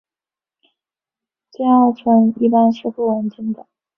偕二醇一般是不稳定的。